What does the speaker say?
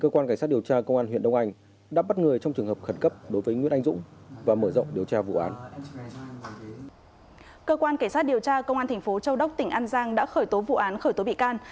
cơ quan cảnh sát điều tra công an thành phố châu đốc tỉnh an giang đã khởi tố vụ án khởi tố bị can